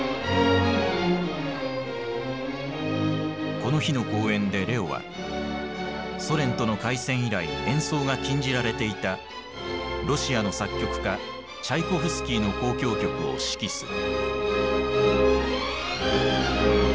この日の公演でレオはソ連との開戦以来演奏が禁じられていたロシアの作曲家チャイコフスキーの交響曲を指揮する。